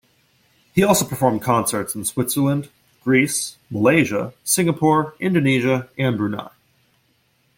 He also performed concerts in Switzerland, Greece, Malaysia, Singapore, Indonesia and Brunei.